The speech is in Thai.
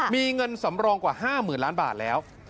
มีเงินสำรองกว่า๕๐๐๐ล้านบาทแล้ว